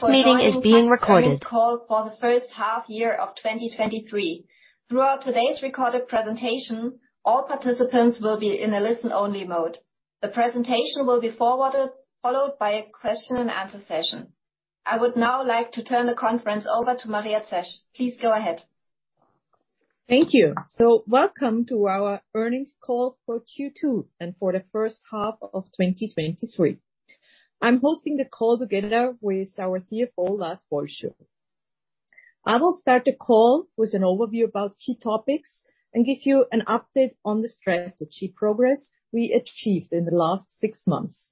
This meeting is being recorded call for the first half year of 2023. Throughout today's recorded presentation, all participants will be in a listen-only mode. The presentation will be forwarded, followed by a question and answer session. I would now like to turn the conference over to Maria Zesch. Please go ahead. Thank you. Welcome to our earnings call for Q2, and for the first half of 2023. I'm hosting the call together with our CFO, Lars Bolscho. I will start the call with an overview about key topics, and give you an update on the strategy progress we achieved in the last six months.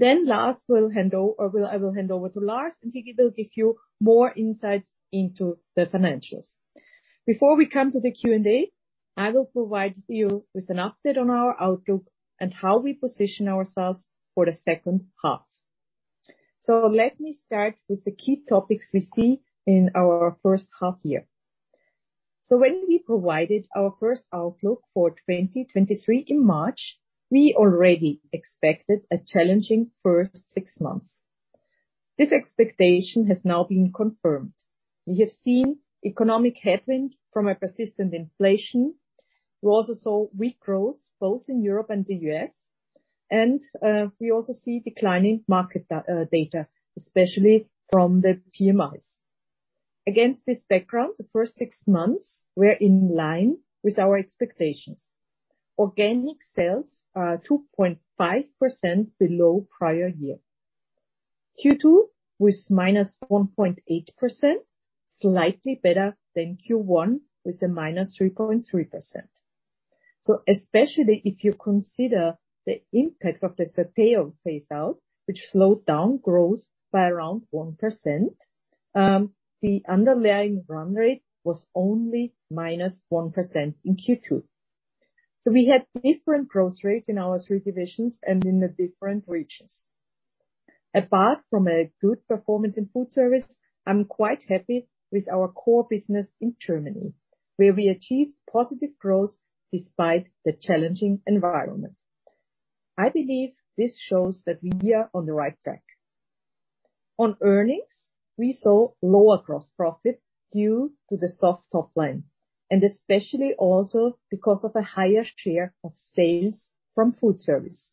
Lars will hand over, or I will hand over to Lars, and he will give you more insights into the financials. Before we come to the Q&A, I will provide you with an update on our outlook and how we position ourselves for the second half. Let me start with the key topics we see in our first half year. When we provided our first outlook for 2023 in March, we already expected a challenging first six months. This expectation has now been confirmed. We have seen economic headwind from a persistent inflation. We also saw weak growth, both in Europe and the U.S., and we also see declining market data, especially from the PMIs. Against this background, the first six months were in line with our expectations. Organic sales are 2.5% below prior year. Q2, with -1.8%, slightly better than Q1, with a -3.3%. Especially if you consider the impact of the Certeo phase out, which slowed down growth by around 1%, the underlying run rate was only -1% in Q2. We had different growth rates in our three divisions and in the different regions. Apart from a good performance in FoodService, I'm quite happy with our core business in Germany, where we achieved positive growth despite the challenging environment. I believe this shows that we are on the right track. On earnings, we saw lower gross profit due to the soft top line, and especially also because of a higher share of sales from FoodService.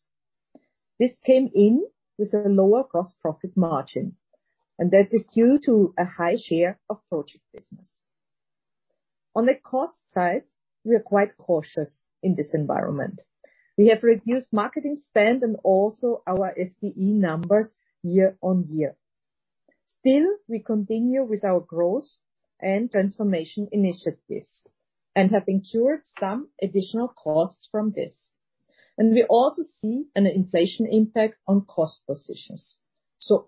This came in with a lower cost profit margin, and that is due to a high share of project business. On the cost side, we are quite cautious in this environment. We have reduced marketing spend and also our FTE numbers year-over-year. We continue with our Growth and transformation initiatives, and have incurred some additional costs from this. We also see an inflation impact on cost positions.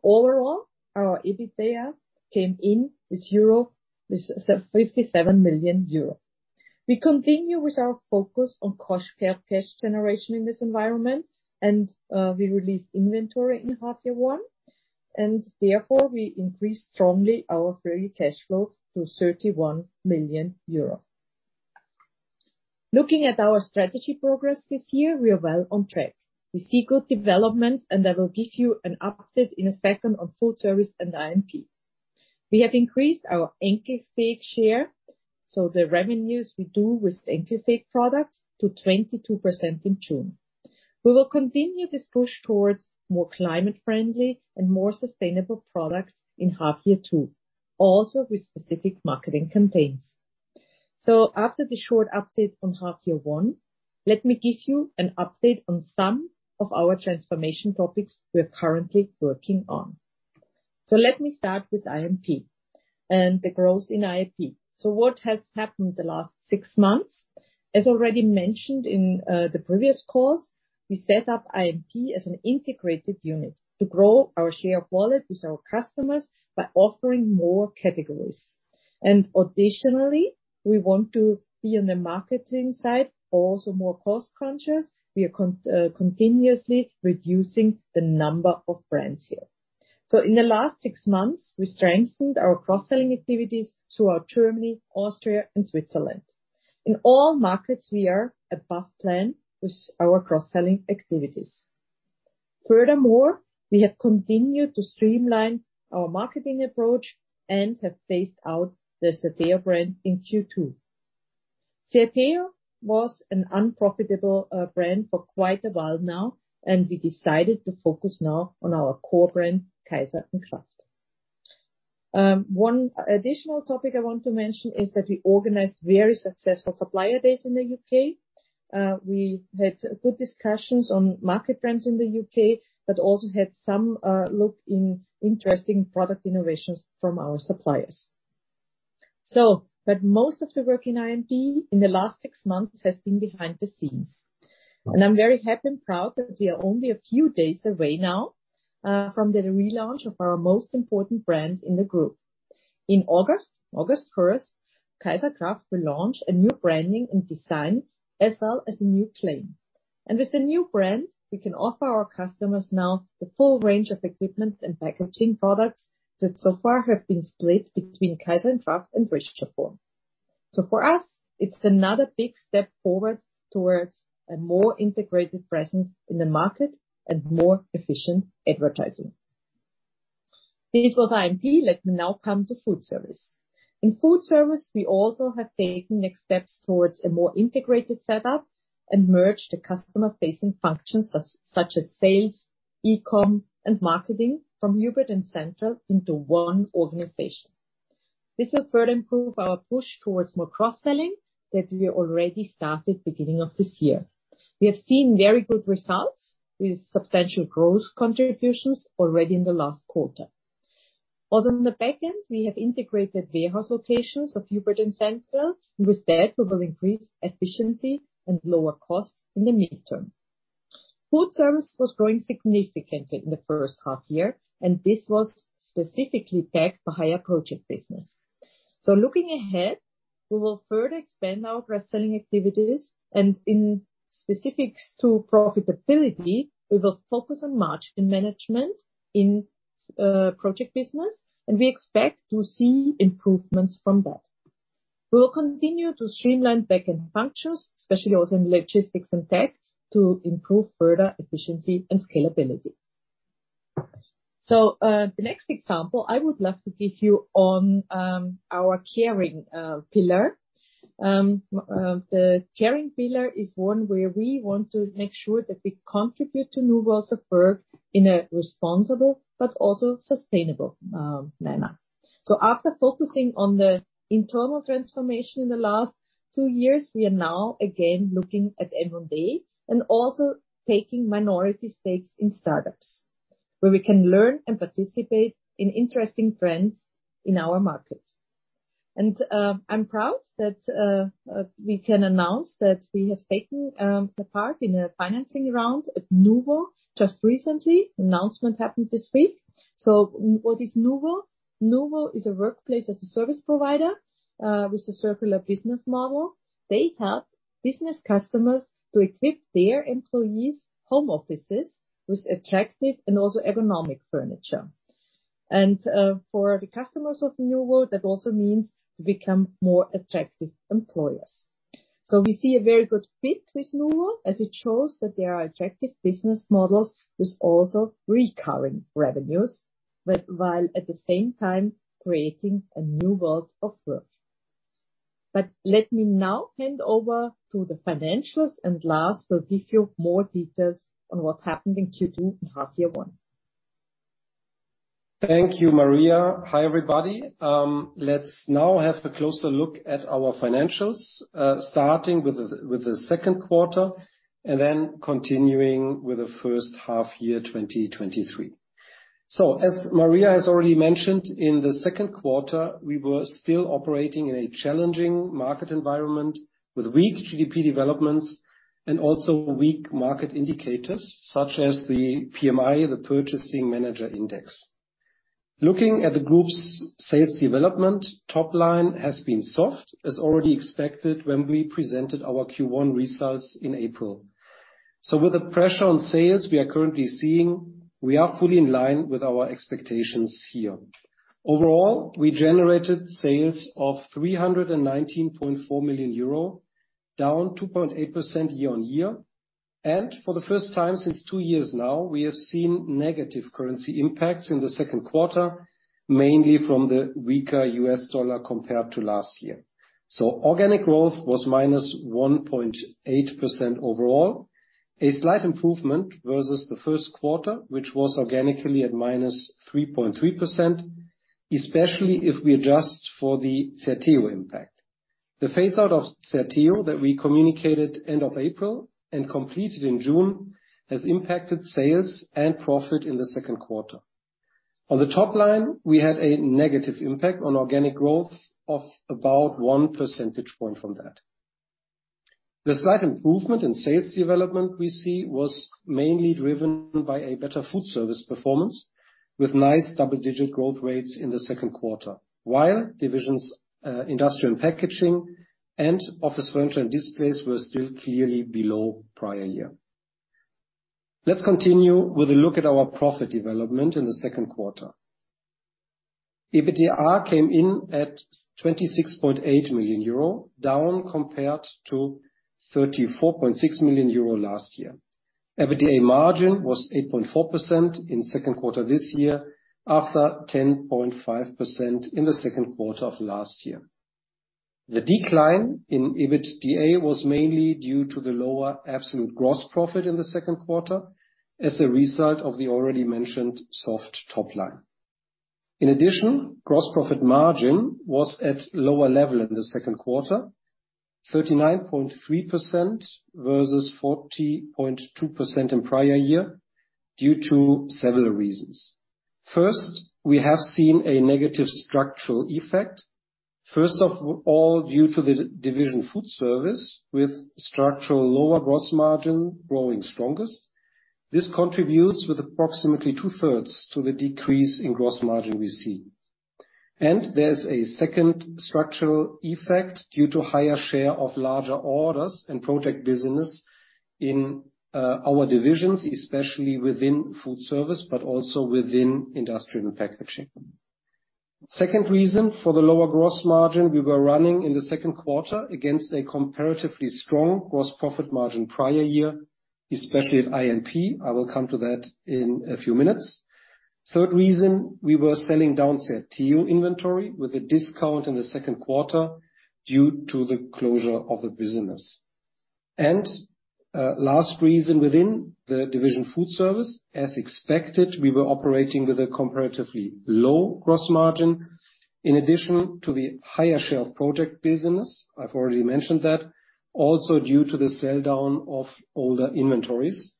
Overall, our EBITDA came in with 57 million euro. We continue with our focus on cash generation in this environment, we released inventory in half year one, therefore, we increased strongly our free cash flow to 31 million euro. Looking at our strategy progress this year, we are well on track. We see good developments, I will give you an update in a second on FoodService and I&P. We have increased our Anchor Stage share, so the revenues we do with Anchor Stage products to 22% in June. We will continue this push towards more climate friendly and more sustainable products in half year two, also with specific marketing campaigns. After the short update on half year one, let me give you an update on some of our transformation topics we are currently working on. Let me start with I&P and the growth in I&P. What has happened the last six months? As already mentioned in the previous calls, we set up I&P as an integrated unit to grow our share of wallet with our customers by offering more categories. Additionally, we want to be on the marketing side, also more cost conscious. We are continuously reducing the number of brands here. In the last 6 months, we strengthened our cross-selling activities throughout Germany, Austria and Switzerland. In all markets, we are above plan with our cross-selling activities. Furthermore, we have continued to streamline our marketing approach and have phased out the Certeo brand in Q2. Certeo was an unprofitable brand for quite a while now. We decided to focus now on our core brand, KAISER+KRAFT. One additional topic I want to mention is that we organized very successful supplier days in the U.K. We had good discussions on market trends in the U.K., also had some look in interesting product innovations from our suppliers. Most of the work in I&P in the last six months has been behind the scenes, and I'm very happy and proud that we are only a few days away now from the relaunch of our most important brand in the group. In August 1st, KAISER+KRAFT will launch a new branding and design, as well as a new claim. With the new brand, we can offer our customers now the full range of equipment and packaging products that so far have been split between KAISER+KRAFT and ratioform. For us, it's another big step forward towards a more integrated presence in the market and more efficient advertising. This was I&P, let me now come to FoodService. In FoodService, we also have taken next steps towards a more integrated setup and merged the customer-facing functions, such as sales, e-com, and marketing from Hubert and Central into one organization. This will further improve our push towards more cross-selling that we already started beginning of this year. We have seen very good results with substantial growth contributions already in the last quarter. In the back end, we have integrated warehouse locations of Hubert and Central. With that, we will increase efficiency and lower costs in the midterm. FoodService was growing significantly in the first half year, this was specifically backed by higher project business. Looking ahead, we will further expand our cross-selling activities, in specifics to profitability, we will focus on margin management in project business, we expect to see improvements from that. We will continue to streamline back-end functions, especially also in logistics and tech, to improve further efficiency and scalability. The next example I would love to give you on our Caring pillar. The Caring pillar is one where we want to make sure that we contribute to new worlds of work in a responsible but also sustainable manner. After focusing on the internal transformation in the last two years, we are now again looking at M&A and also taking minority stakes in startups, where we can learn and participate in interesting trends in our markets. I'm proud that we can announce that we have taken a part in a financing round at nuwo just recently. Announcement happened this week. What is nuwo? nuwo is a Workplace as a Service provider with a circular business model. They help business customers to equip their employees' home offices with attractive and also ergonomic furniture. For the customers of nuwo, that also means to become more attractive employers. We see a very good fit with nuwo, as it shows that there are attractive business models with also recurring revenues, but while at the same time creating a new world of work. Let me now hand over to the financials, and Lars will give you more details on what happened in Q2 and half year one. Thank you, Maria. Hi, everybody. Let's now have a closer look at our financials, starting with the second quarter and then continuing with the first half year, 2023. As Maria has already mentioned, in the second quarter, we were still operating in a challenging market environment with weak GDP developments and also weak market indicators, such as the PMI, the Purchasing Managers' Index. Looking at the group's sales development, top line has been soft, as already expected when we presented our Q1 results in April. With the pressure on sales we are currently seeing, we are fully in line with our expectations here. Overall, we generated sales of 319.4 million euro, down 2.8% year-over-year, and for the first time since two years now, we have seen negative currency impacts in the second quarter, mainly from the weaker US dollar compared to last year. Organic growth was -1.8% overall, a slight improvement versus the first quarter, which was organically at -3.3%, especially if we adjust for the Certeo impact. The phase out of Certeo that we communicated end of April and completed in June, has impacted sales and profit in the second quarter. On the top line, we had a negative impact on organic growth of about 1 percentage point from that. The slight improvement in sales development we see was mainly driven by a better FoodService performance, with nice double-digit growth rates in the second quarter, while divisions, Industrial & Packaging and Office Furniture & Displays were still clearly below prior-year. Let's continue with a look at our profit development in the second quarter. EBITDA came in at 26.8 million euro, down compared to 34.6 million euro last year. EBITDA margin was 8.4% in second quarter this year, after 10.5% in the second quarter of last year. The decline in EBITDA was mainly due to the lower absolute gross profit in the second quarter as a result of the already mentioned soft top line. In addition, gross profit margin was at lower level in the second quarter, 39.3% versus 40.2% in prior year, due to several reasons. First, we have seen a negative structural effect, first of all, due to the division FoodService, with structural lower gross margin growing strongest. This contributes with approximately two-thirds to the decrease in gross margin we see. There's a second structural effect due to higher share of larger orders and project business in our divisions, especially within FoodService, but also within Industrial & Packaging. Second reason for the lower gross margin, we were running in the second quarter against a comparatively strong gross profit margin prior year, especially at I&P. I will come to that in a few minutes. Third reason, we were selling down Certeo inventory with a discount in the second quarter due to the closure of the business. Last reason within the division FoodService, as expected, we were operating with a comparatively low gross margin. In addition to the higher shelf project business, I've already mentioned that, also due to the sell-down of older inventories,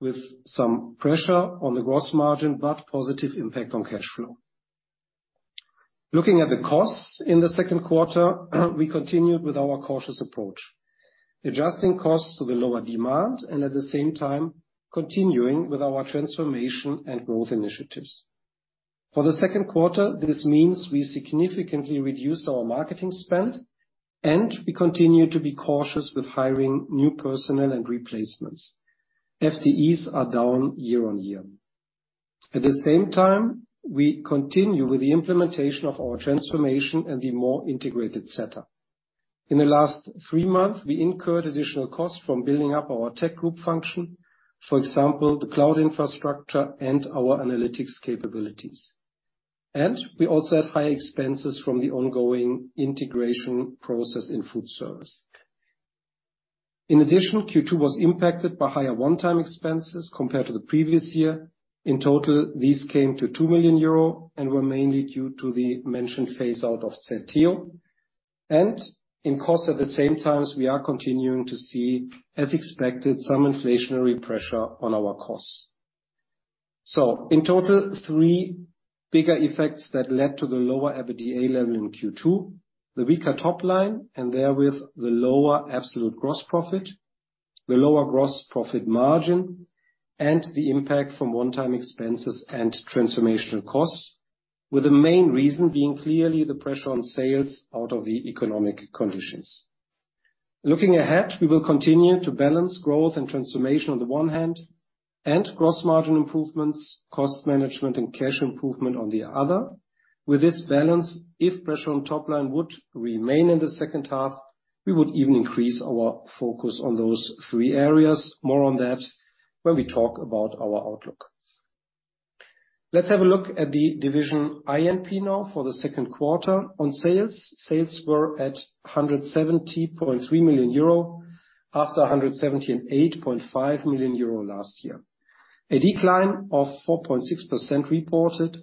with some pressure on the gross margin, but positive impact on cash flow. Looking at the costs in the second quarter, we continued with our cautious approach, adjusting costs to the lower demand, and at the same time, continuing with our transformation and growth initiatives. For the second quarter, this means we significantly reduced our marketing spend, and we continue to be cautious with hiring new personnel and replacements. FTEs are down year-on-year. At the same time, we continue with the implementation of our transformation and the more integrated setup. In the last three months, we incurred additional costs from building up our tech group function, for example, the cloud infrastructure and our analytics capabilities. We also had high expenses from the ongoing integration process in FoodService. In addition, Q2 was impacted by higher one-time expenses compared to the previous year. In total, these came to 2 million euro, were mainly due to the mentioned phase-out of Certeo. In cost, at the same time, we are continuing to see, as expected, some inflationary pressure on our costs. In total, three bigger effects that led to the lower EBITDA level in Q2, the weaker top line, and therewith, the lower absolute gross profit, the lower gross profit margin, and the impact from one-time expenses and transformational costs, with the main reason being clearly the pressure on sales out of the economic conditions. Looking ahead, we will continue to balance growth and transformation on the one hand, and gross margin improvements, cost management, and cash improvement on the other. With this balance, if pressure on top line would remain in the second half, we would even increase our focus on those three areas. More on that when we talk about our outlook. Let's have a look at the division I&P now for the second quarter. On sales were at 170.3 million euro, after 178.5 million euro last year. A decline of 4.6% reported,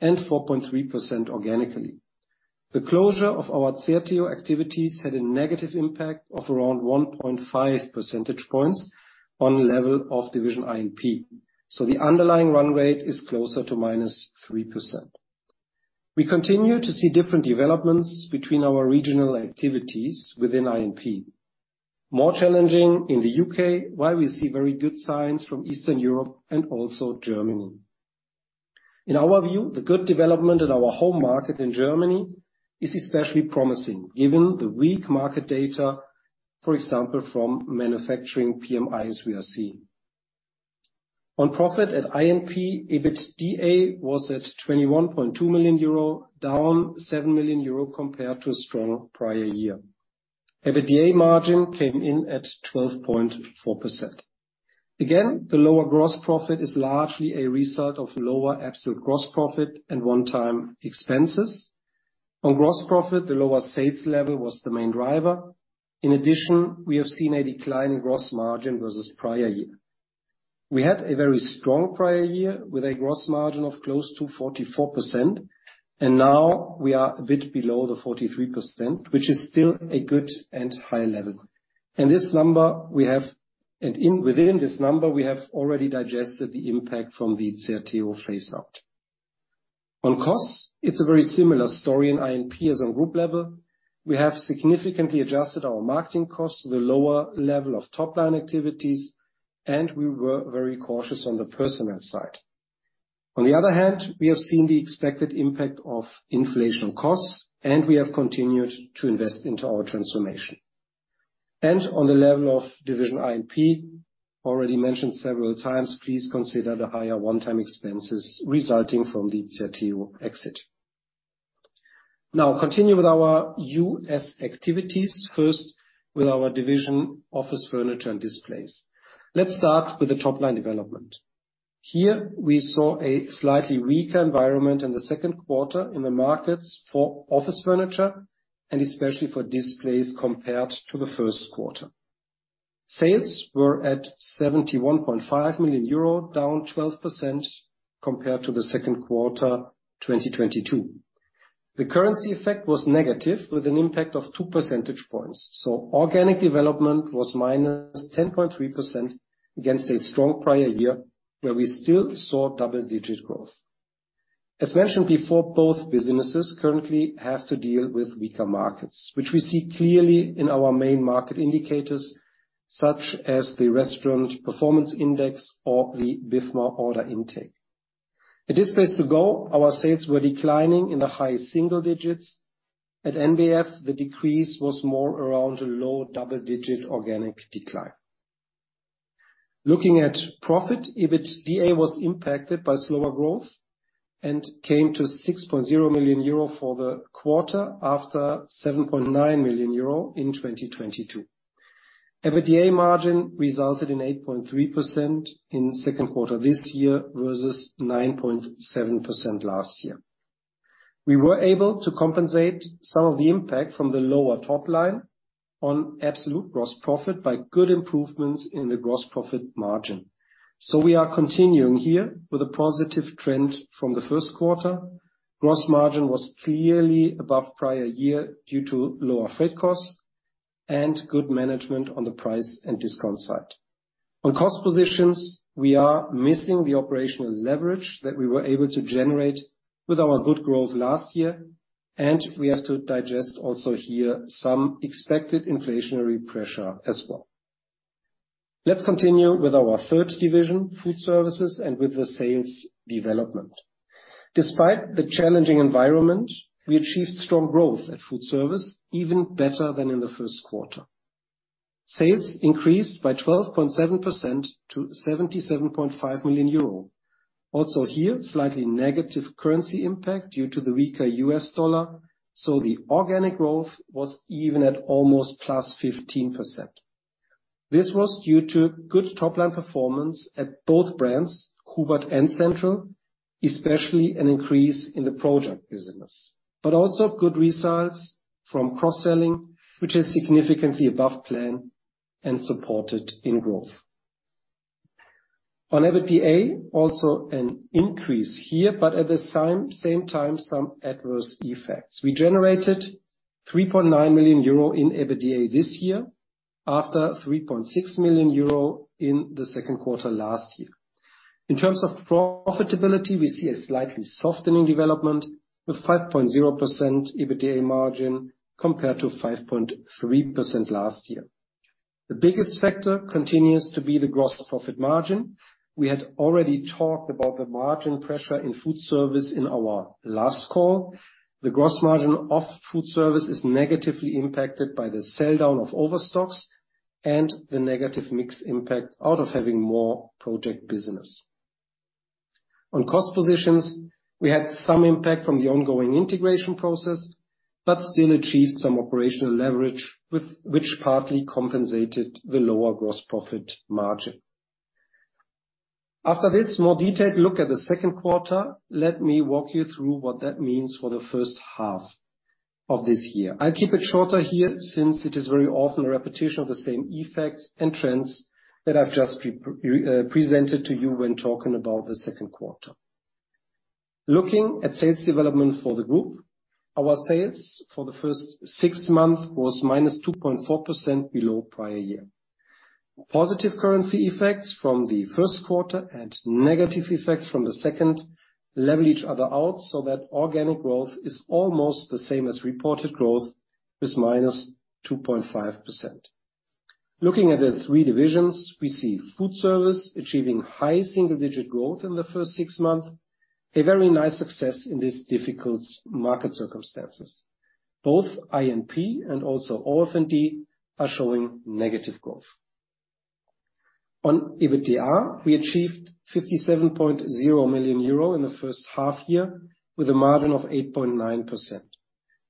and 4.3% organically. The closure of our Certeo activities had a negative impact of around 1.5 percentage points on level of division I&P, so the underlying run rate is closer to -3%. We continue to see different developments between our regional activities within I&P. More challenging in the U.K., while we see very good signs from Eastern Europe and also Germany. In our view, the good development in our home market in Germany is especially promising, given the weak market data, for example, from manufacturing PMIs we are seeing. On profit at I&P, EBITDA was at 21.2 million euro, down 7 million euro compared to a strong prior year. EBITDA margin came in at 12.4%. Again, the lower gross profit is largely a result of lower absolute gross profit and one-time expenses. On gross profit, the lower sales level was the main driver. We have seen a decline in gross margin versus prior year. We had a very strong prior year, with a gross margin of close to 44%, and now we are a bit below the 43%, which is still a good and high level. Within this number, we have already digested the impact from the Certeo phase-out. On costs, it's a very similar story in I&P as on group level. We have significantly adjusted our marketing costs to the lower level of top-line activities, and we were very cautious on the personnel side. On the other hand, we have seen the expected impact of inflation costs, and we have continued to invest into our transformation. On the level of division I&P, already mentioned several times, please consider the higher one-time expenses resulting from the Certeo exit. Continue with our U.S. activities, first with our division, Office Furniture & Displays. Let's start with the top-line development. Here, we saw a slightly weaker environment in the second quarter in the markets for office furniture, and especially for displays compared to the first quarter. Sales were at 71.5 million euro, down 12% compared to the second quarter, 2022. The currency effect was negative, with an impact of two percentage points. Organic development was -10.3% against a strong prior year, where we still saw double-digit growth. As mentioned before, both businesses currently have to deal with weaker markets, which we see clearly in our main market indicators, such as the Restaurant Performance Index or the BIFMA order intake. At Displays2go, our sales were declining in the high single digits. At NBF, the decrease was more around a low double-digit organic decline. Looking at profit, EBITDA was impacted by slower growth and came to 6.0 million euro for the quarter, after 7.9 million euro in 2022. EBITDA margin resulted in 8.3% in second quarter this year, versus 9.7% last year. We were able to compensate some of the impact from the lower top line on absolute gross profit by good improvements in the gross profit margin. We are continuing here with a positive trend from the first quarter. Gross margin was clearly above prior year, due to lower freight costs and good management on the price and discount side. On cost positions, we are missing the operational leverage that we were able to generate with our good growth last year, and we have to digest also here some expected inflationary pressure as well. Let's continue with our third division, FoodService, and with the sales development. Despite the challenging environment, we achieved strong growth at FoodService, even better than in the first quarter. Sales increased by 12.7% to 77.5 million euro. Also here, slightly negative currency impact due to the weaker US dollar, so the organic growth was even at almost +15%. This was due to good top line performance at both brands, Hubert and Central, especially an increase in the project business, also good results from cross-selling, which is significantly above plan and supported in growth. On EBITDA, also an increase here, at the same time, some adverse effects. We generated 3.9 million euro in EBITDA this year, after 3.6 million euro in the second quarter last year. In terms of profitability, we see a slightly softening development of 5.0% EBITDA margin compared to 5.3% last year. The biggest factor continues to be the gross profit margin. We had already talked about the margin pressure in FoodService in our last call. The gross margin of FoodService is negatively impacted by the sell-down of overstocks and the negative mix impact out of having more project business. On cost positions, we had some impact from the ongoing integration process, but still achieved some operational leverage which partly compensated the lower gross profit margin. After this more detailed look at the second quarter, let me walk you through what that means for the first half of this year. I'll keep it shorter here, since it is very often a repetition of the same effects and trends that I've just presented to you when talking about the second quarter. Looking at sales development for the group, our sales for the first six months was -2.4% below prior year. Positive currency effects from the first quarter and negative effects from the second level each other out. Organic growth is almost the same as reported growth, with -2.5%. Looking at the three divisions, we see FoodService achieving high single-digit growth in the first six months, a very nice success in these difficult market circumstances. Both I&P and also OF&D are showing negative growth. On EBITDA, we achieved 57.0 million euro in the first half year, with a margin of 8.9%,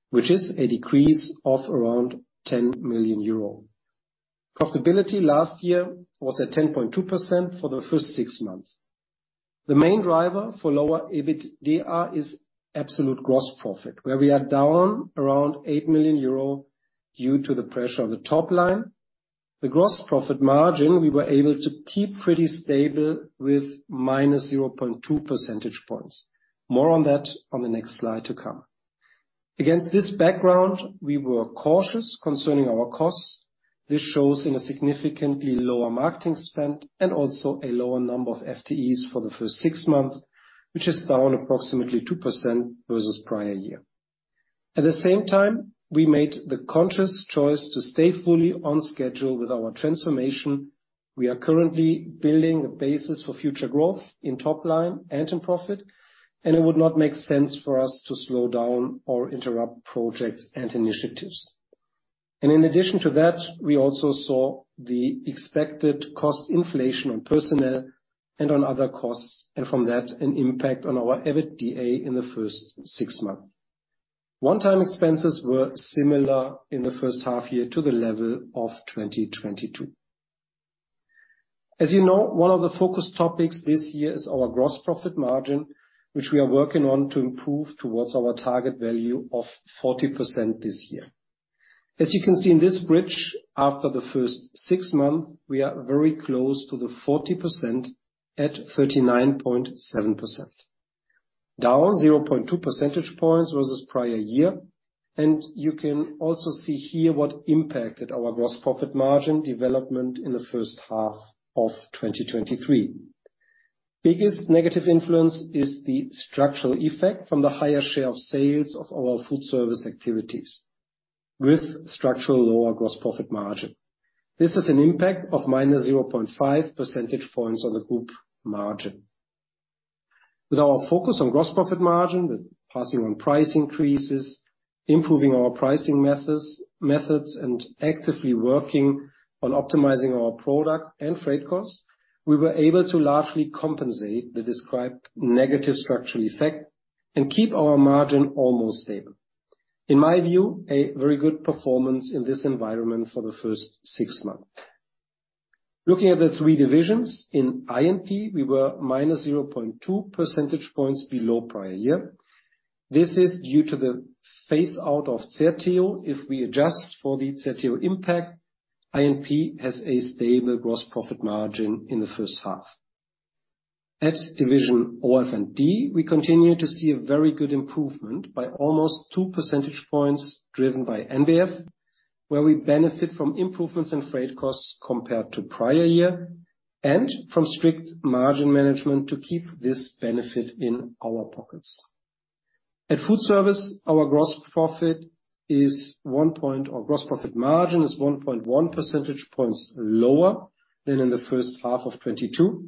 which is a decrease of around 10 million euro. Profitability last year was at 10.2% for the first six months. The main driver for lower EBITDA is absolute gross profit, where we are down around 8 million euro due to the pressure on the top line. The gross profit margin, we were able to keep pretty stable with -0.2 percentage points. More on that on the next slide to come. Against this background, we were cautious concerning our costs. This shows in a significantly lower marketing spend and also a lower number of FTEs for the first six months, which is down approximately 2% versus prior year. At the same time, we made the conscious choice to stay fully on schedule with our transformation. We are currently building a basis for future growth in top line and in profit. It would not make sense for us to slow down or interrupt projects and initiatives. In addition to that, we also saw the expected cost inflation on personnel and on other costs, and from that, an impact on our EBITDA in the first six months. One-time expenses were similar in the first half year to the level of 2022. As you know, one of the focus topics this year is our gross profit margin, which we are working on to improve towards our target value of 40% this year. You can see in this bridge, after the first six months, we are very close to the 40% at 39.7%, down 0.2 percentage points versus prior year. You can also see here what impacted our gross profit margin development in the first half of 2023. Biggest negative influence is the structural effect from the higher share of sales of our FoodService activities, with structural lower gross profit margin. This is an impact of -0.5 percentage points on the group margin. With our focus on gross profit margin, with passing on price increases, improving our pricing methods, and actively working on optimizing our product and freight costs, we were able to largely compensate the described negative structural effect and keep our margin almost stable. In my view, a very good performance in this environment for the first six months. Looking at the three divisions, in Industrial & Packaging, we were -0.2 percentage points below prior year. This is due to the phase out of Certeo. If we adjust for the Certeo impact, Industrial & Packaging has a stable gross profit margin in the first half. At division OF&D, we continue to see a very good improvement by almost two percentage points, driven by National Business Furniture, where we benefit from improvements in freight costs compared to prior year, and from strict margin management to keep this benefit in our pockets. At FoodService, our gross profit margin is 1.1 percentage points lower than in the first half of 2022.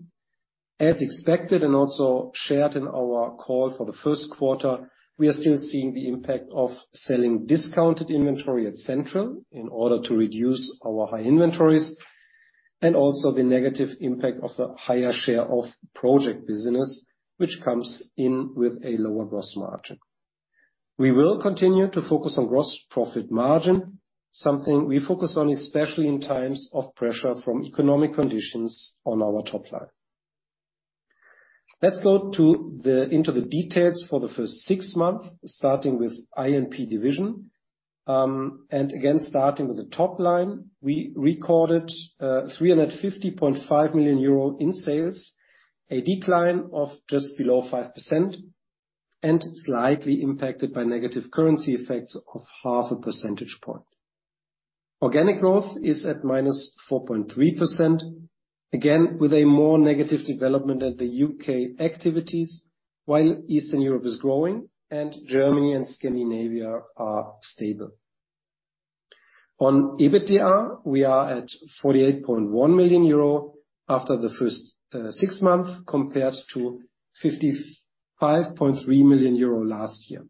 As expected, and also shared in our call for the first quarter, we are still seeing the impact of selling discounted inventory at Central in order to reduce our high inventories, and also the negative impact of the higher share of project business, which comes in with a lower gross margin. We will continue to focus on gross profit margin, something we focus on, especially in times of pressure from economic conditions on our top line. Let's go into the details for the first six months, starting with I&P division. Again, starting with the top line, we recorded 350.5 million euro in sales, a decline of just below 5%, and slightly impacted by negative currency effects of half a percentage point. Organic growth is at -4.3%, again, with a more negative development at the U.K. activities, while Eastern Europe is growing, and Germany and Scandinavia are stable. On EBITDA, we are at 48.1 million euro after the first six months, compared to 55.3 million euro last year.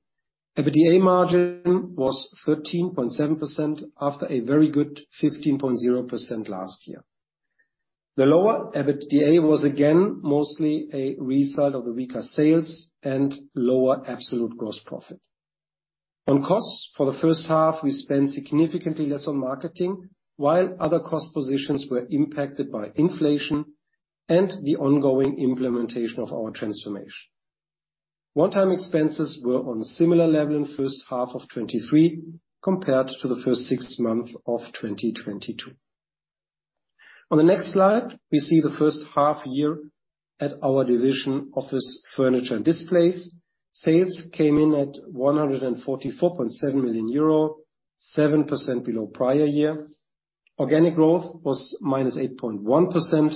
EBITDA margin was 13.7% after a very good 15.0% last year. The lower EBITDA was again mostly a result of the weaker sales and lower absolute gross profit. On costs for the first half, we spent significantly less on marketing, while other cost positions were impacted by inflation and the ongoing implementation of our transformation. One-time expenses were on a similar level in first half of 2023 compared to the first six months of 2022. On the next slide, we see the first half year at our division Office Furniture & Displays. Sales came in at 144.7 million euro, 7% below prior year. Organic growth was -8.1%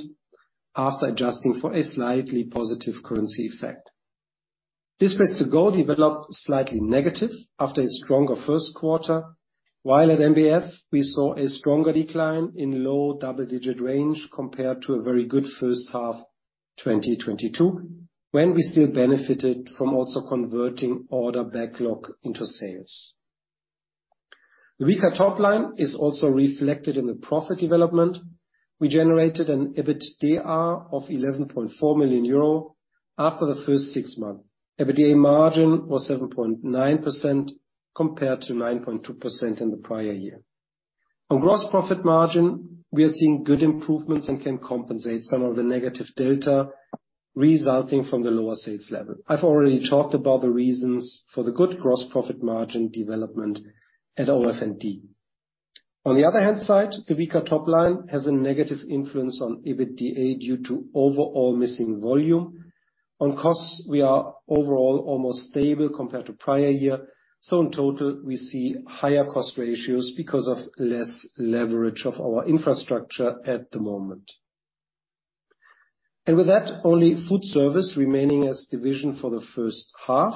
after adjusting for a slightly positive currency effect. Displays2go developed slightly negative after a stronger first quarter, while at NBF, we saw a stronger decline in low double-digit range compared to a very good first half 2022, when we still benefited from also converting order backlog into sales. The weaker top line is also reflected in the profit development. We generated an EBITDA of 11.4 million euro after the first six months. EBITDA margin was 7.9% compared to 9.2% in the prior year. On gross profit margin, we are seeing good improvements and can compensate some of the negative delta resulting from the lower sales level. I've already talked about the reasons for the good gross profit margin development at OF&D. On the other hand side, the weaker top line has a negative influence on EBITDA due to overall missing volume. On costs, we are overall almost stable compared to prior year, so in total, we see higher cost ratios because of less leverage of our infrastructure at the moment. With that, only FoodService remaining as division for the first half.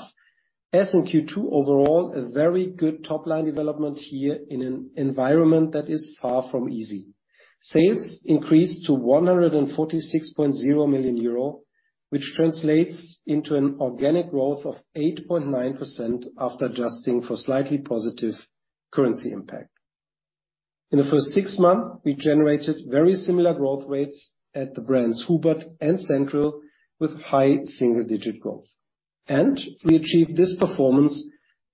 As in Q2 overall, a very good top line development here in an environment that is far from easy. Sales increased to 146.0 million euro, which translates into an organic growth of 8.9% after adjusting for slightly positive currency impact. In the first 6 months, we generated very similar growth rates at the brands Hubert and Central, with high single-digit growth. We achieved this performance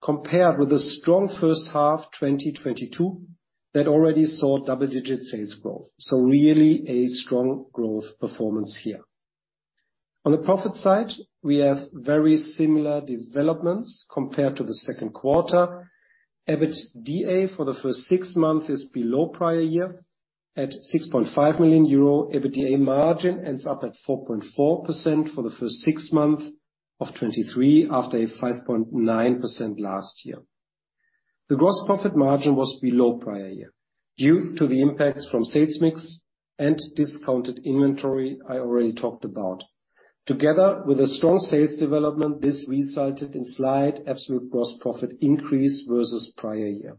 compared with a strong first half 2022, that already saw double-digit sales growth. Really, a strong growth performance here. On the profit side, we have very similar developments compared to the second quarter. EBITDA for the first 6 months is below prior year at 6.5 million euro. EBITDA margin ends up at 4.4% for the first 6 months of 2023, after a 5.9% last year. The gross profit margin was below prior year, due to the impacts from sales mix and discounted inventory I already talked about. Together with a strong sales development, this resulted in slight absolute gross profit increase versus prior year.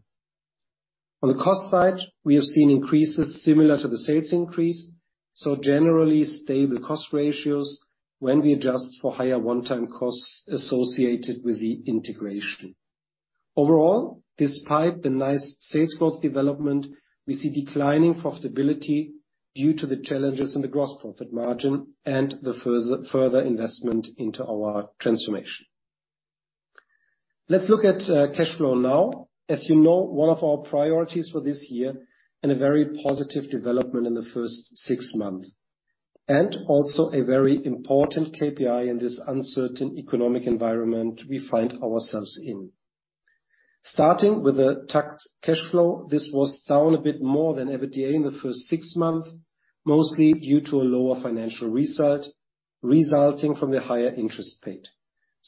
On the cost side, we have seen increases similar to the sales increase, so generally stable cost ratios when we adjust for higher one-time costs associated with the integration. Overall, despite the nice sales growth development, we see declining profitability due to the challenges in the gross profit margin and the further investment into our transformation. Let's look at cash flow now. As you know, one of our priorities for this year, and a very positive development in the first six months, and also a very important KPI in this uncertain economic environment we find ourselves in. Starting with the TAKKT cash flow, this was down a bit more than EBITDA in the first six months, mostly due to a lower financial result resulting from the higher interest paid.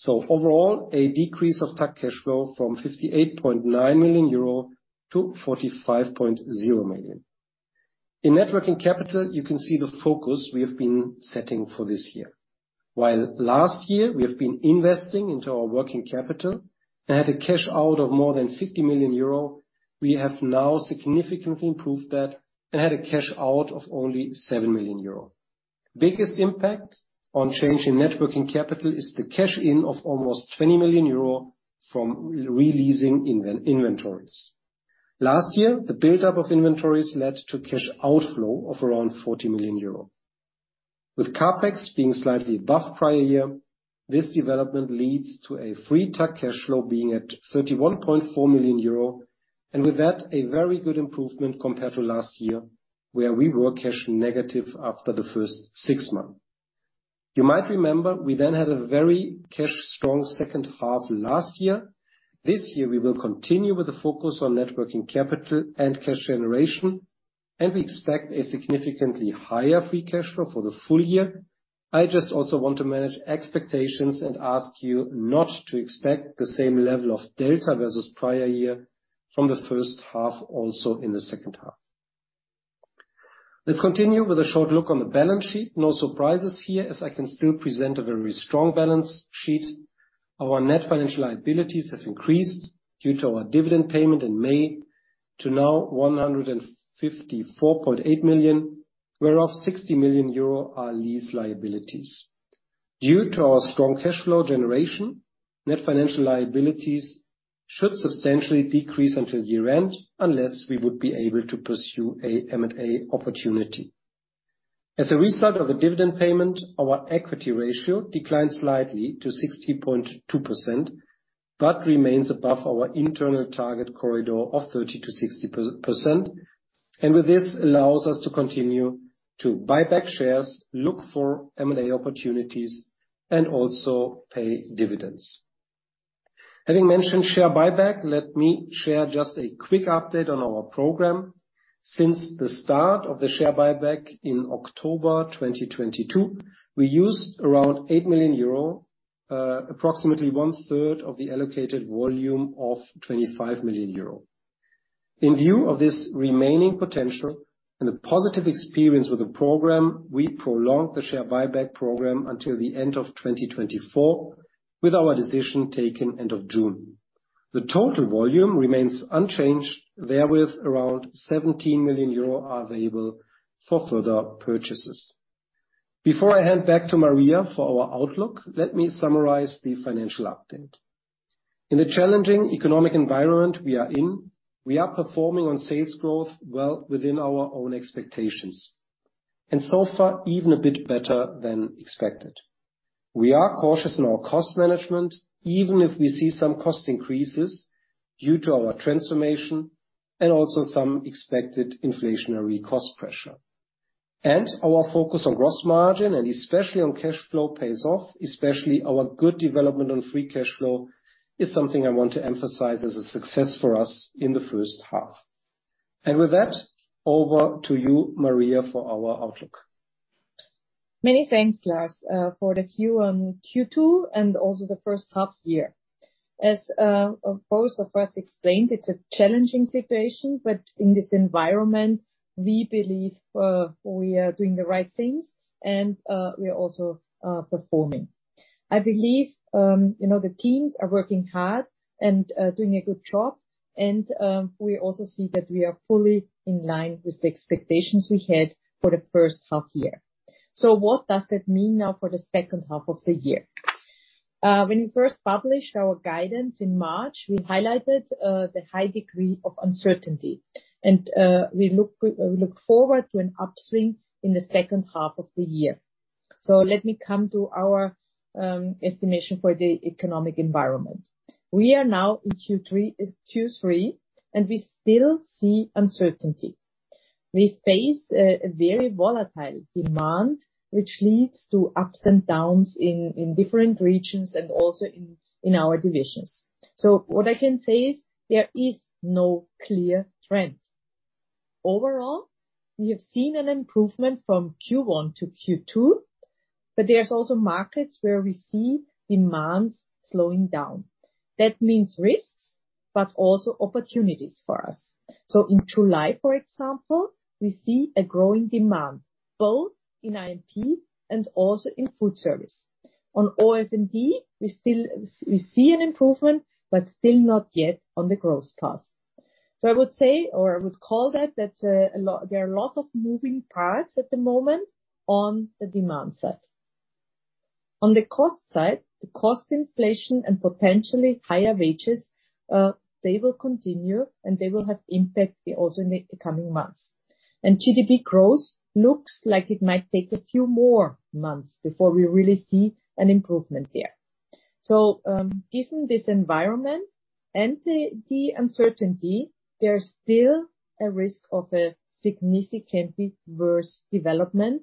Overall, a decrease of TAKKT cash flow from 58.9 million euro to 45.0 million. In net working capital, you can see the focus we have been setting for this year. While last year we have been investing into our working capital and had a cash out of more than 50 million euro, we have now significantly improved that and had a cash out of only 7 million euro. Biggest impact on change in net working capital is the cash in of almost 20 million euro from re-releasing inventories. Last year, the buildup of inventories led to cash outflow of around 40 million euro. With CapEx being slightly above prior year, this development leads to a free TAKKT cash flow being at 31.4 million euro, and with that, a very good improvement compared to last year, where we were cash negative after the first six months. You might remember, we then had a very cash-strong second half last year. This year, we will continue with the focus on net working capital and cash generation, and we expect a significantly higher free cash flow for the full year. I just also want to manage expectations and ask you not to expect the same level of delta versus prior year from the first half, also in the second half. Let's continue with a short look on the balance sheet. No surprises here, as I can still present a very strong balance sheet. Our net financial liabilities have increased due to our dividend payment in May to now 154.8 million, whereof 60 million euro are lease liabilities. Due to our strong cash flow generation, net financial liabilities should substantially decrease until year-end, unless we would be able to pursue a M&A opportunity. As a result of the dividend payment, our equity ratio declined slightly to 60.2%, but remains above our internal target corridor of 30%-60%, and with this, allows us to continue to buy back shares, look for M&A opportunities, and also pay dividends. Having mentioned Share Buyback, let me share just a quick update on our program. Since the start of the Share Buyback in October 2022, we used around 8 million euro, approximately one-third of the allocated volume of 25 million euro. In view of this remaining potential and the positive experience with the program, we prolonged the Share Buyback program until the end of 2024, with our decision taken end of June. The total volume remains unchanged. Around 17 million euro are available for further purchases. Before I hand back to Maria for our outlook, let me summarize the financial update. In the challenging economic environment we are in, we are performing on sales growth well within our own expectations, and so far, even a bit better than expected. We are cautious in our cost management, even if we see some cost increases due to our transformation, and also some expected inflationary cost pressure. Our focus on gross margin, and especially on cash flow, pays off, especially our good development on free cash flow is something I want to emphasize as a success for us in the first half. With that, over to you, Maria, for our outlook. Many thanks, Lars, for the Q on Q2 and also the first half year. As both of us explained, it's a challenging situation, but in this environment, we believe we are doing the right things and we are also performing. I believe, you know, the teams are working hard and doing a good job, and we also see that we are fully in line with the expectations we had for the first half year. What does that mean now for the second half of the year? When we first published our guidance in March, we highlighted the high degree of uncertainty, and we look forward to an upswing in the second half of the year. Let me come to our estimation for the economic environment. We are now in Q3. We still see uncertainty. We face a very volatile demand, which leads to ups and downs in different regions and also in our divisions. What I can say is there is no clear trend. Overall, we have seen an improvement from Q1 to Q2. There's also markets where we see demands slowing down. That means risks, but also opportunities for us. In July, for example, we see a growing demand, both in I&P and also in FoodService. On OF&D, we still see an improvement, but still not yet on the gross cost. I would say, or I would call that there are a lot of moving parts at the moment on the demand side. On the cost side, the cost inflation and potentially higher wages, they will continue, and they will have impact also in the coming months. GDP growth looks like it might take a few more months before we really see an improvement there. Given this environment and the uncertainty, there's still a risk of a significantly worse development,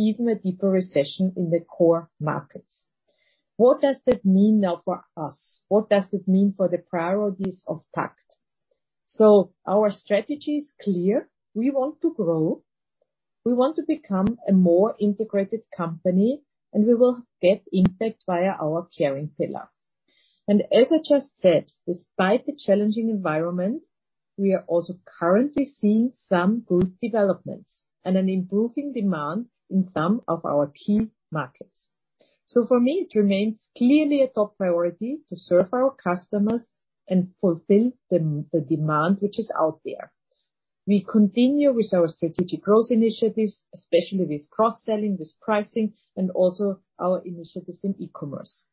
even a deeper recession in the core markets. What does that mean now for us? What does it mean for the priorities of TAKKT? Our strategy is clear: we want to grow, we want to become a more integrated company, and we will get impact via our Caring pillar. As I just said, despite the challenging environment, we are also currently seeing some good developments and an improving demand in some of our key markets. For me, it remains clearly a top priority to serve our customers and fulfill the demand which is out there. We continue with our strategic growth initiatives, especially with cross-selling, with pricing, and also our initiatives in e-commerce.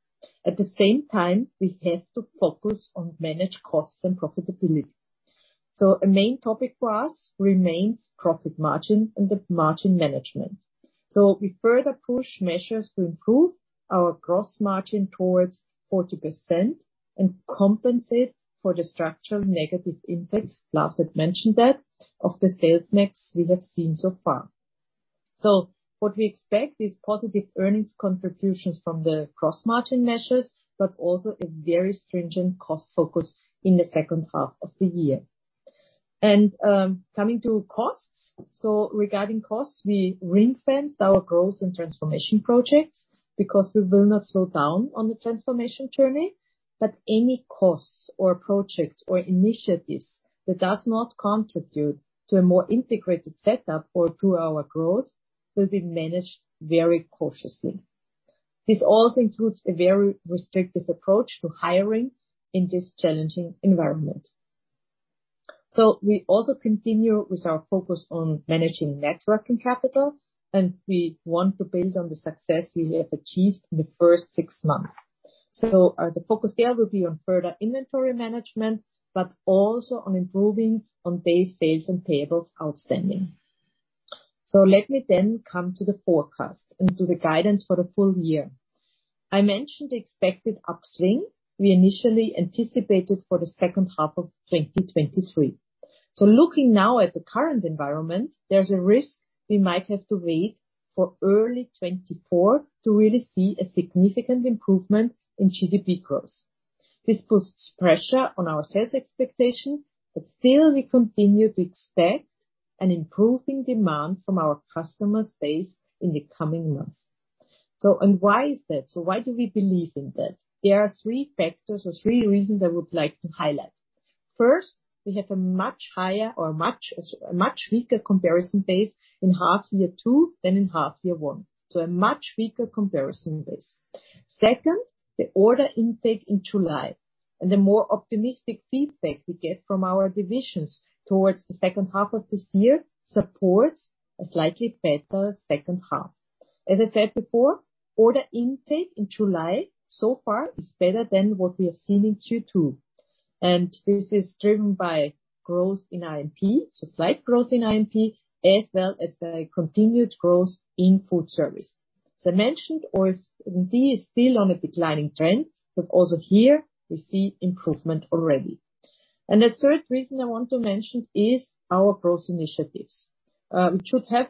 At the same time, we have to focus on manage costs and profitability. A main topic for us remains profit margin and the margin management. We further push measures to improve our gross margin towards 40% and compensate for the structural negative impacts, Lars had mentioned that, of the sales mix we have seen so far. What we expect is positive earnings contributions from the cross-margin measures, but also a very stringent cost focus in the second half of the year. Coming to costs, regarding costs, we ring-fenced our Growth and transformation projects because we will not slow down on the transformation journey, but any costs or projects or initiatives that does not contribute to a more integrated setup or to our Growth, will be managed very cautiously. This also includes a very restrictive approach to hiring in this challenging environment. We also continue with our focus on managing net working capital, and we want to build on the success we have achieved in the first six months. The focus there will be on further inventory management, but also on improving on Days Sales Outstanding and Days Payables Outstanding. Let me then come to the forecast and to the guidance for the full year. I mentioned the expected upswing we initially anticipated for the second half of 2023. Looking now at the current environment, there's a risk we might have to wait for early 2024 to really see a significant improvement in GDP growth. This puts pressure on our sales expectation, but still we continue to expect an improving demand from our customer space in the coming months. Why is that? Why do we believe in that? There are three factors or three reasons I would like to highlight. First, we have a much higher or a much weaker comparison base in half year two than in half year one, so a much weaker comparison base. Second, the order intake in July, and the more optimistic feedback we get from our divisions towards the second half of this year, supports a slightly better second half. As I said before, order intake in July so far is better than what we have seen in Q2, and this is driven by growth in I&P, so slight growth in I&P, as well as the continued growth in FoodService. As I mentioned, OF&D is still on a declining trend, but also here we see improvement already. The third reason I want to mention is our growth initiatives, which should have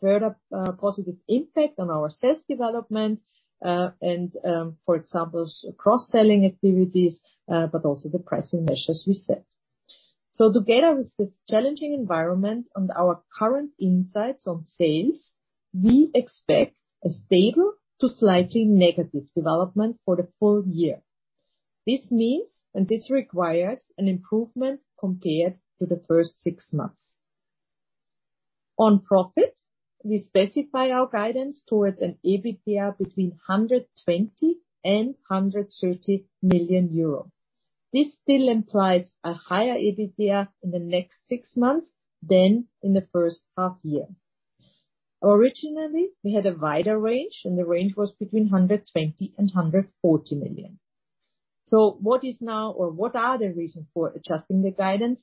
further positive impact on our sales development, and, for example, cross-selling activities, but also the pricing measures we set. Together with this challenging environment and our current insights on sales, we expect a stable to slightly negative development for the full year. This means, and this requires an improvement compared to the first six months. On profit, we specify our guidance towards an EBITDA between 120 million and 130 million euros. This still implies a higher EBITDA in the next six months than in the first half year. Originally, we had a wider range, the range was between 120 million and 140 million. What are the reasons for adjusting the guidance?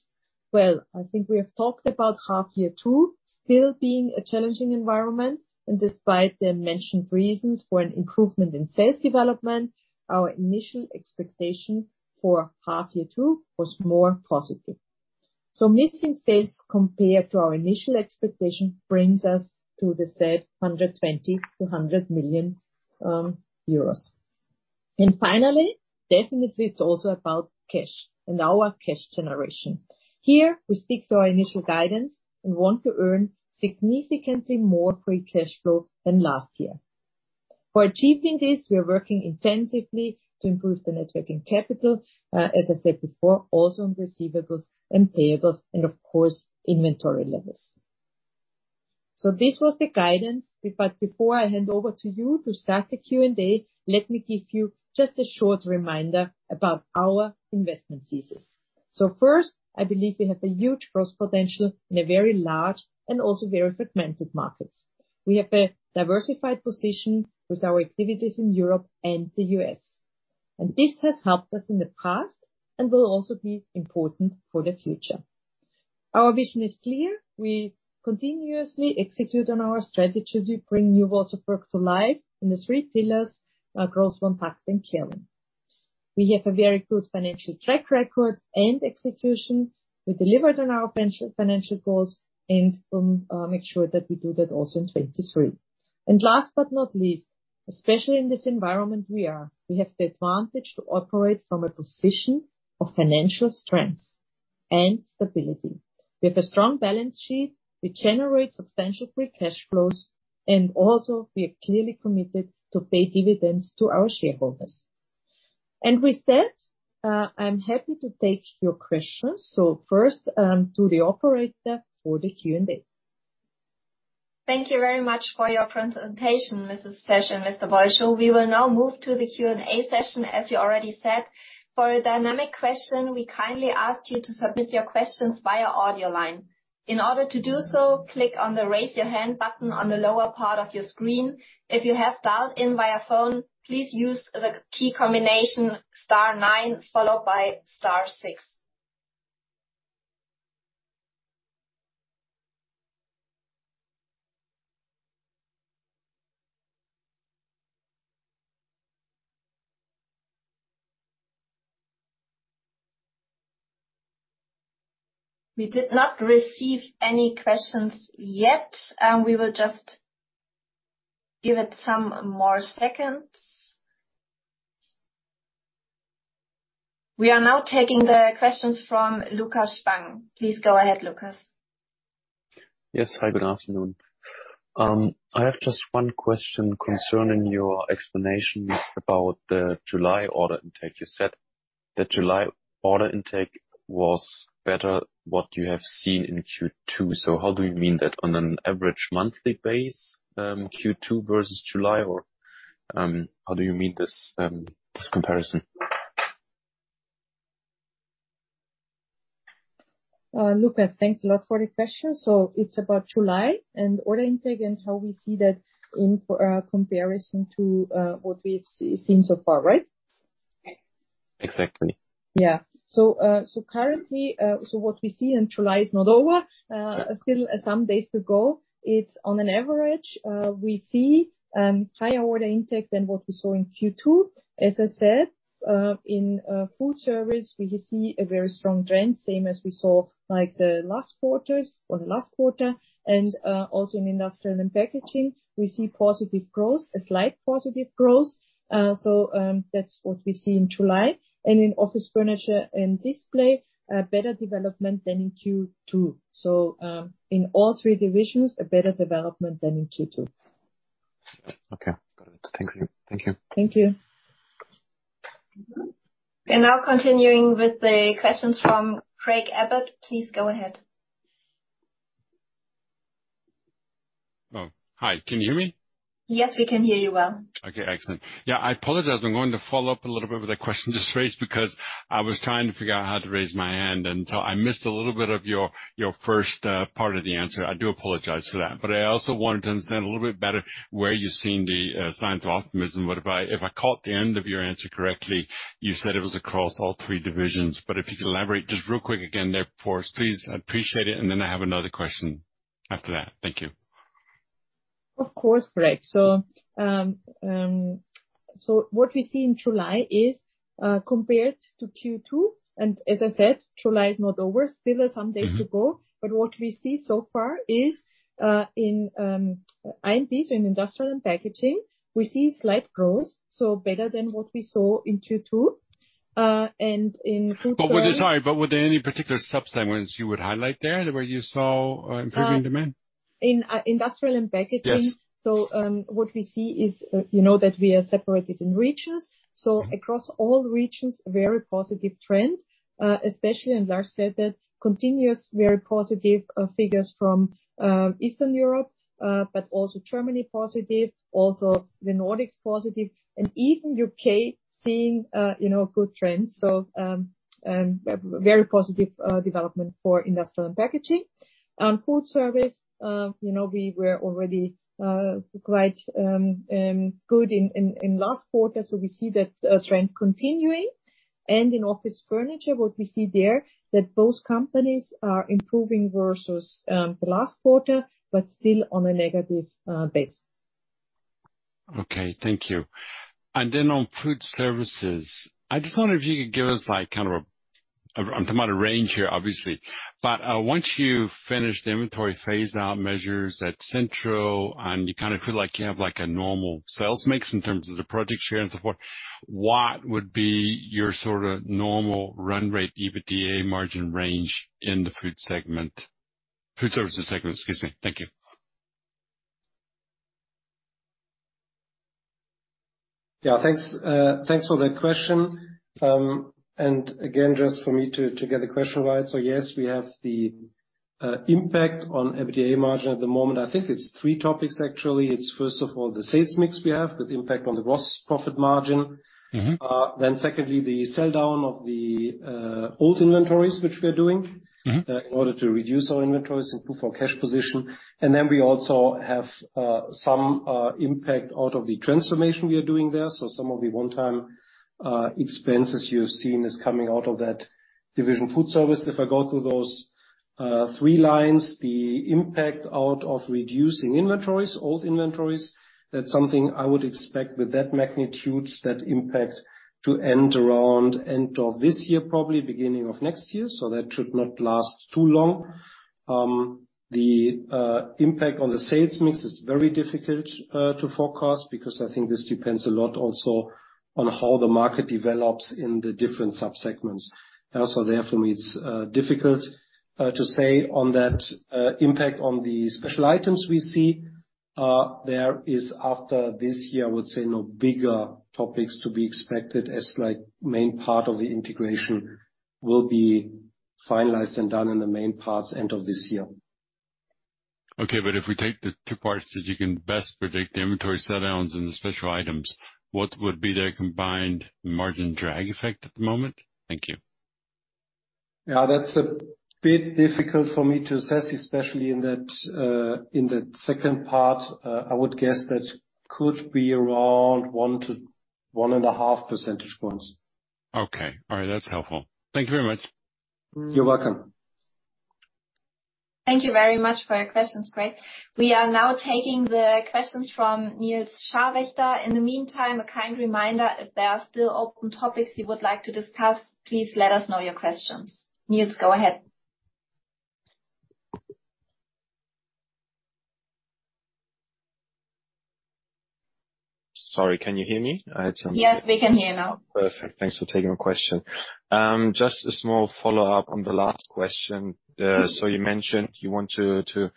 Well, I think we have talked about half year two still being a challenging environment, and despite the mentioned reasons for an improvement in sales development, our initial expectation for half year two was more positive. Missing sales compared to our initial expectation brings us to the said 120 million euros to 100 million euros. Finally, definitely, it's also about cash and our cash generation. Here, we stick to our initial guidance and want to earn significantly more free cash flow than last year. For achieving this, we are working intensively to improve the net working capital, as I said before, also on receivables and payables and, of course, inventory levels. This was the guidance, but before I hand over to you to start the Q&A, let me give you just a short reminder about our investment thesis. First, I believe we have a huge Growth potential in a very large and also very fragmented markets. We have a diversified position with our activities in Europe and the US, and this has helped us in the past and will also be important for the future. Our vision is clear: We continuously execute on our strategy to bring new worlds of work to life in the three pillars, Growth, impact, and Caring. We have a very good financial track record and execution. We delivered on our financial goals. We'll make sure that we do that also in 2023. Last but not least, especially in this environment we have the advantage to operate from a position of financial strength and stability. We have a strong balance sheet, we generate substantial free cash flows, and also we are clearly committed to pay dividends to our shareholders. With that, I'm happy to take your questions. First, to the operator for the Q&A. Thank you very much for your presentation, Maria Zesch and Mr. Bolscho. We will now move to the Q&A session, as you already said. For a dynamic question, we kindly ask you to submit your questions via audio line. In order to do so, click on the Raise Your Hand button on the lower part of your screen. If you have dialed in via phone, please use the key combination star nine, followed by star six. We did not receive any questions yet, and we will just give it some more seconds. We are now taking the questions from Lukas Spang. Please go ahead, Lukas. Yes. Hi, good afternoon. I have just one question concerning your explanations about the July order intake. You said the July order intake was better what you have seen in Q2. How do you mean that, on an average monthly base, Q2 versus July? How do you mean this comparison? Lukas, thanks a lot for the question. It's about July and order intake and how we see that in comparison to what we've seen so far, right? Exactly. Yeah. Currently, what we see in July is not over, still some days to go. It's on an average, we see higher order intake than what we saw in Q2. As I said, in FoodService, we see a very strong trend, same as we saw, like, the last quarters or the last quarter. Also in Industrial & Packaging, we see positive growth, a slight positive growth. That's what we see in July. In Office Furniture & Displays, a better development than in Q2. In all three divisions, a better development than in Q2. Okay, got it. Thanks again. Thank you. Thank you. We're now continuing with the questions from Craig Abbott. Please go ahead. Oh, hi. Can you hear me? Yes, we can hear you well. Okay, excellent. Yeah, I apologize. I'm going to follow up a little bit with the question just raised, because I was trying to figure out how to raise my hand, and so I missed a little bit of your first part of the answer. I do apologize for that. I also wanted to understand a little bit better where you've seen the signs of optimism. If I caught the end of your answer correctly, you said it was across all three divisions. If you could elaborate just real quick again there for us, please. I'd appreciate it. Then I have another question after that. Thank you. Of course, Craig. What we see in July is compared to Q2, and as I said, July is not over, still have some days to go. Mm-hmm. What we see so far is, in I&P, so in Industrial & Packaging, we see slight growth, so better than what we saw in Q2. In FoodService... Sorry, but were there any particular subsegments you would highlight there, where you saw improving demand? In Industrial & Packaging? Yes. What we see is, you know, that we are separated in regions. Mm-hmm. Across all regions, a very positive trend, especially in large sector. Continuous very positive figures from Eastern Europe, but also Germany, positive, also the Nordics, positive, and even UK seeing, you know, good trends. A very positive development for Industrial & Packaging. FoodService, you know, we were already quite good in last quarter, so we see that trend continuing. In Office Furniture & Displays, what we see there, that both companies are improving versus the last quarter, but still on a negative base. Okay, thank you. Then on food services, I just wondered if you could give us, like, kind of a, I'm talking about a range here, obviously. Once you finish the inventory phase-out measures at Central, and you kind of feel like you have, like, a normal sales mix in terms of the product share and so forth, what would be your sort of normal run rate EBITDA margin range in the food segment? Food services segment, excuse me. Thank you. Yeah, thanks for that question. Again, just for me to get the question right. Yes, we have the TAKKT on EBITDA margin at the moment. I think it's three topics, actually. It's first of all, the sales mix we have, with TAKKT on the gross profit margin. Mm-hmm. Secondly, the sell-down of the old inventories, which we are doing. Mm-hmm. In order to reduce our inventories, improve our cash position. We also have some impact out of the transformation we are doing there. Some of the one-time expenses you've seen is coming out of that division FoodService. If I go through those three lines, the impact out of reducing inventories, old inventories, that's something I would expect with that magnitude, that impact, to end around end of this year, probably beginning of next year, so that should not last too long. The impact on the sales mix is very difficult to forecast, because I think this depends a lot also on how the market develops in the different sub-segments. Therefore, it's difficult to say on that impact on the special items we see. There is, after this year, I would say, no bigger topics to be expected, as main part of the integration will be finalized and done in the main parts end of this year. Okay, if we take the two parts that you can best predict, the inventory sell-downs and the special items, what would be their combined margin drag effect at the moment? Thank you. Yeah, that's a bit difficult for me to assess, especially in that, in that second part. I would guess that could be around 1 to 1.5 percentage points. Okay. All right. That's helpful. Thank you very much. You're welcome. Thank you very much for your questions, Craig. We are now taking the questions from Nils Scharwächter. In the meantime, a kind reminder, if there are still open topics you would like to discuss, please let us know your questions. Nils, go ahead. Sorry, can you hear me? I had some- Yes, we can hear you now. Perfect. Thanks for taking my question. Just a small follow-up on the last question. You mentioned you want to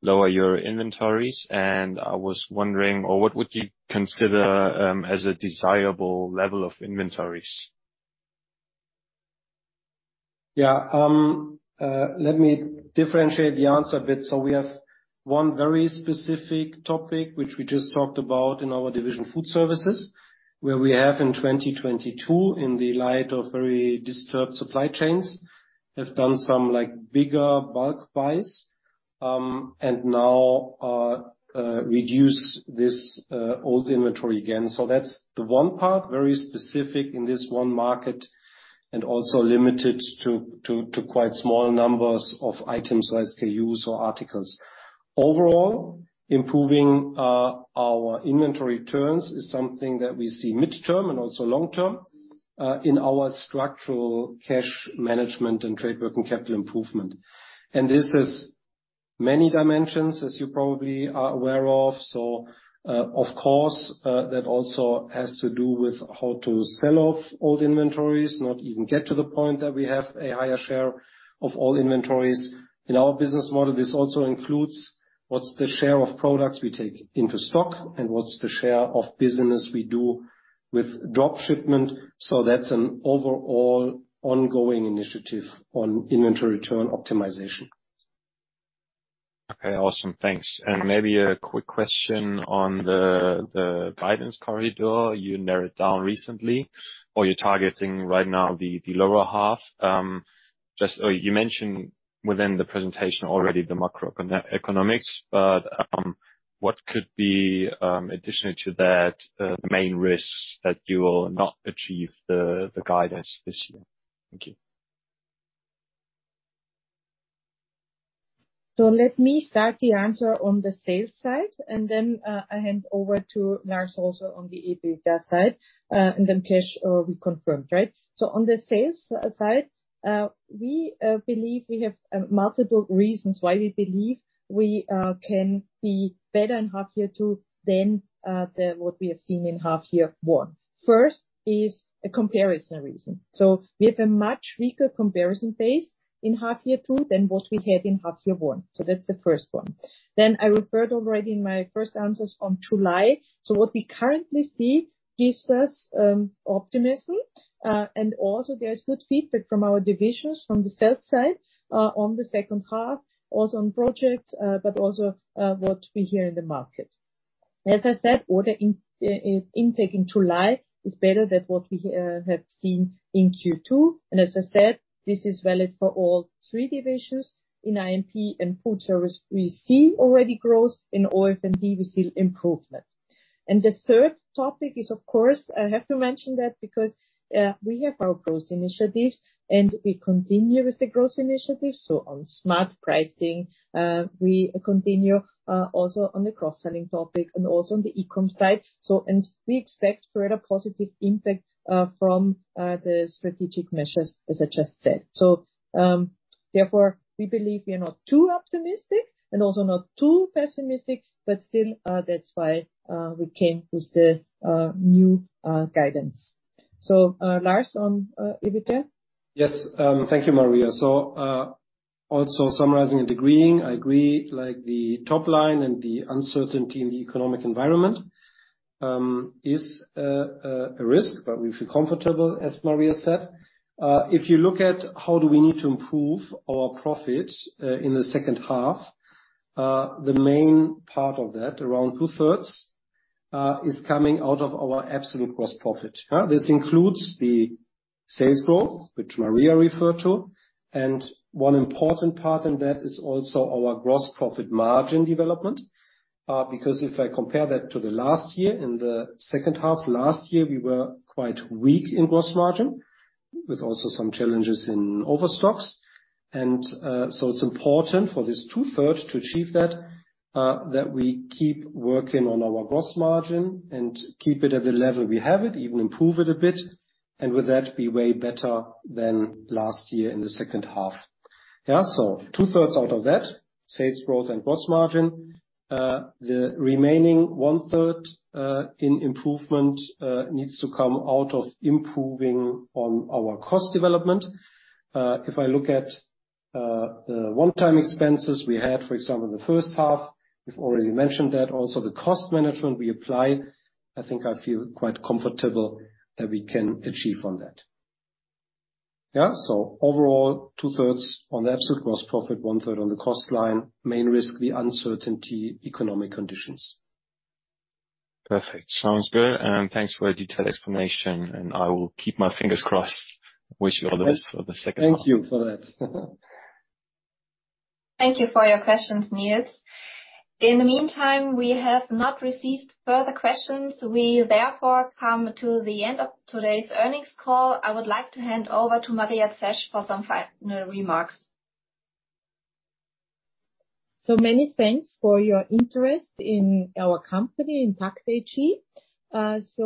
lower your inventories, and I was wondering what would you consider as a desirable level of inventories? Yeah, let me differentiate the answer a bit. We have one very specific topic, which we just talked about in our division FoodService, where we have in 2022, in the light of very disturbed supply chains, have done some, like, bigger bulk buys, and now reduce this old inventory again. That's the one part, very specific in this one market, and also limited to quite small numbers of items, like SKUs or articles. Overall, improving our inventory turns is something that we see midterm and also long-term in our structural cash management and trade working capital improvement. This has many dimensions, as you probably are aware of, so, of course, that also has to do with how to sell off old inventories, not even get to the point that we have a higher share of all inventories. In our business model, this also includes what's the share of products we take into stock and what's the share of business we do with drop shipment. That's an overall ongoing initiative on inventory return optimization. Okay, awesome. Thanks. Maybe a quick question on the guidance corridor you narrowed down recently, or you're targeting right now the lower half. Just, you mentioned within the presentation already the macroeconomics, but what could be additional to that, the main risks that you will not achieve the guidance this year? Thank you. Let me start the answer on the sales side, I hand over to Lars also on the EBITDA side, and then cash, we confirmed, right? On the sales side, we believe we have multiple reasons why we believe we can be better in half year two than what we have seen in half year one. First is a comparison reason. We have a much weaker comparison base in half year two than what we had in half year one. That's the first one. I referred already in my first answers on July. What we currently see gives us optimism, and also there is good feedback from our divisions from the sales side, on the second half, also on projects, but also, what we hear in the market. As I said, order intake in July is better than what we have seen in Q2. As I said, this is valid for all three divisions. In I&P and FoodService, we see already growth. In OF&D, we see improvement. The third topic is, of course, I have to mention that, because we have our Growth initiatives, and we continue with the Growth initiatives. On Smart Pricing, we continue also on the cross-selling topic and also on the e-com side. We expect further positive impact from the strategic measures, as I just said. Therefore, we believe we are not too optimistic and also not too pessimistic, but still, that's why we came with the new guidance. Lars, on EBITDA? Yes, thank you, Maria. Also summarizing and agreeing, I agree, like, the top line and the uncertainty in the economic environment is a risk, but we feel comfortable, as Maria said. If you look at how do we need to improve our profit in the second half, the main part of that, around two-thirds, is coming out of our absolute gross profit. This includes the sales growth, which Maria referred to, and one important part in that is also our gross profit margin development, because if I compare that to the last year, in the second half last year, we were quite weak in gross margin, with also some challenges in overstocks. It's important for this two-third to achieve that we keep working on our gross margin and keep it at the level we have it, even improve it a bit, and with that, be way better than last year in the second half. Two-thirds out of that, sales growth and gross margin, the remaining one-third in improvement needs to come out of improving on our cost development. If I look at the one-time expenses we had, for example, the first half, we've already mentioned that. Also, the cost management we apply, I think I feel quite comfortable that we can achieve on that. Overall, two-thirds on the absolute gross profit, one-third on the cost line, main risk, the uncertainty economic conditions. Perfect. Sounds good, and thanks for the detailed explanation, and I will keep my fingers crossed. Wish you all the best for the second half. Thank you for that. Thank you for your questions, Nils. In the meantime, we have not received further questions. We therefore come to the end of today's earnings call. I would like to hand over to Maria Zesch for some final remarks. Many thanks for your interest in our company, in TAKKT AG.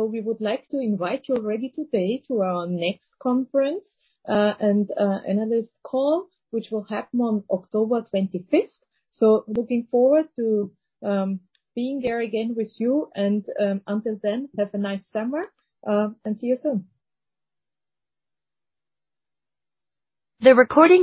We would like to invite you already today to our next conference, and another call, which will happen on October 25th. Looking forward to being there again with you, and until then, have a nice summer, and see you soon. The recording-